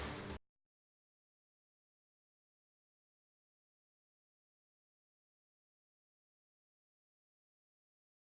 ini nilai ini iaitu tiga ratus lima puluh satu frick cara itu tua notasutra